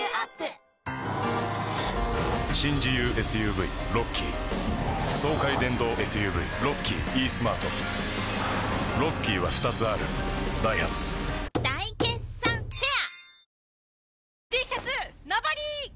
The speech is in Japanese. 新自由ＳＵＶロッキー爽快電動ＳＵＶロッキーイースマートロッキーは２つあるダイハツ大決算フェア